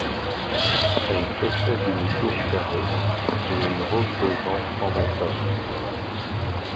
Elle possède une tour carrée et une rose des vents franc-maçonne.